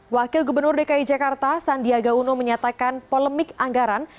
wakil gubernur dki jakarta sandiaga uno menyatakan polemik anggaran